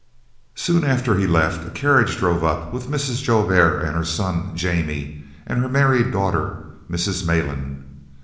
Soon after he left, a carriage drove up with Mrs. Joubert, her son "Jannie," and her married daughter, Mrs. Malan.